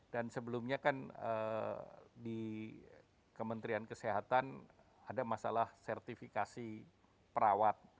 dan sebelumnya kan di kementerian kesehatan ada masalah sertifikasi perawat